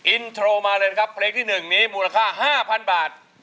อินโทรมาเลยนะครับเพลงที่๑นี้มูลค่า๕๐๐๐บาท